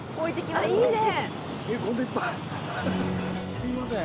すいません。